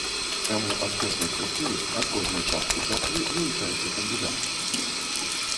Таму ад кожнай структуры, ад кожнай часткі царквы вылучаецца кандыдат.